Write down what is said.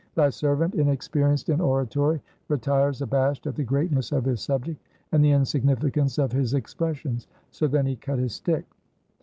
Thy servant, inexperienced in oratory, retires abashed at the greatness of his subject, and the insignificance of his expressions.' So then he cut his stick!"